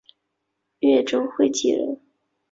越州会稽人。